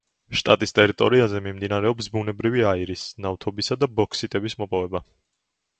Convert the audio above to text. შტატის ტერიტორიაზე მიმდინარეობს ბუნებრივი აირის, ნავთობის და ბოქსიტების მოპოვება.